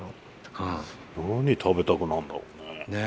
何食べたくなるんだろうねえ。